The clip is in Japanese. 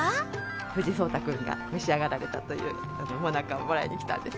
藤井聡太君が召し上がられたという最中をもらいに来たんです